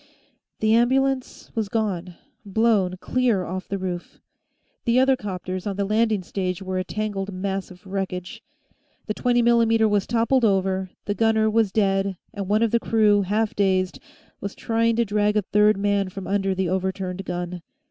The ambulance was gone, blown clear off the roof. The other 'copters on the landing stage were a tangled mass of wreckage. The 20 mm was toppled over; the gunner was dead, and one of the crew, half dazed, was trying to drag a third man from under the overturned gun.